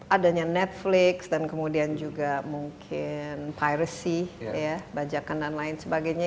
adanya netflix dan kemudian juga mungkin piracy bajakan dan lain sebagainya